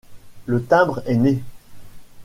Le timbre est né.